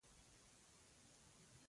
زړه د بدن د خوندي پاتې کېدو لپاره مهم دی.